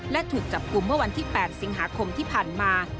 และถูกจับกลุ่มเมื่อวันที่๘สิงหาคมที่ผ่านมา